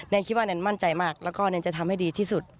คิดว่าแนนมั่นใจมากแล้วก็แนนจะทำให้ดีที่สุด